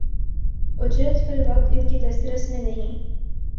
اجرت فی الوقت ان کی دسترس میں نہیں